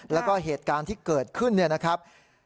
แล้วก็เหตุการณ์ที่เกิดขึ้นเนี่ยนะครับ